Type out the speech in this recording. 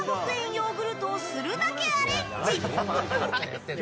ヨーグルトをするだけアレンジ。